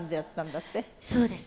そうです。